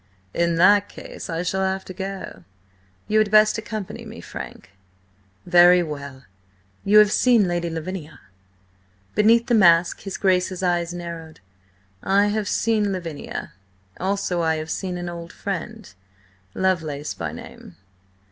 "In that case I shall have to go. You had best accompany me, Frank." "Very well. You have seen Lady Lavinia?" Beneath the mask his Grace's eyes narrowed. "I have seen Lavinia. Also I have seen an old friend–Lovelace by name."